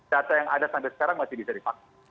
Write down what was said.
data yang ada sampai sekarang masih bisa divaksin